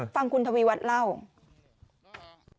ฟังคุณทวีวัฒน์เล่า